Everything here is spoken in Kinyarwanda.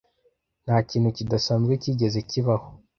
Nta kintu kidasanzwe cyigeze kibaho.